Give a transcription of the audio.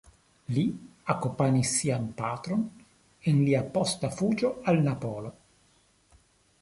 Li akompanis sian patron en lia posta fuĝo al Napolo.